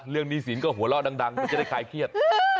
เรื่องดีศีลก็หัวล่อดังมันจะได้คล้ายเครียด